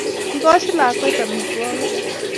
Igochi lakwet amitwogik.